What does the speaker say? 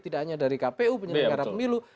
tidak hanya dari kpu penyelenggara pemilu